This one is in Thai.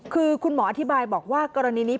คือคุณหมออธิบายบอกว่ากรณีนี้